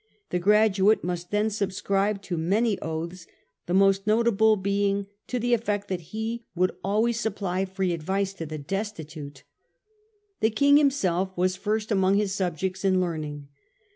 The graduate must then subscribe to many oaths, the most notable being to the effect that he would always supply free advice to the destitute. The King himself was first among his subjects in learning.